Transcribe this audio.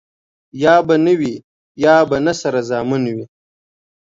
يا به نه وي ،يا به نه سره زامن وي.